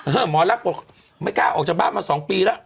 หมอลักษ์บอกไม่กล้าออกจากบ้านมา๒ปีแล้ว